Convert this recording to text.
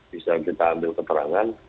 bisa kita ambil keterangan